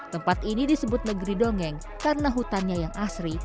tempat ini disebut negeri dongeng karena hutannya yang asri